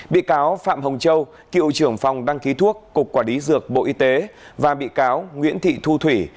bị cáo phạm hồng châu cựu trưởng phòng đăng ký thuốc cục quản lý dược bộ y tế và bị cáo nguyễn thị thu thủy